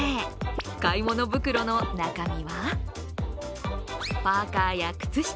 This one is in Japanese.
買い物袋の中身はパーカや靴下。